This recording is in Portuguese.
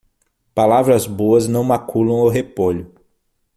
Palavras boas não maculam o repolho.